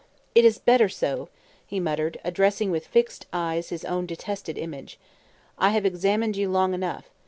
"It is better so," he muttered, addressing, with fixed eyes, his own detested image. "I have examined you long enough.